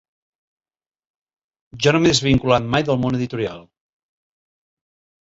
Jo no m’he desvinculat mai del món editorial.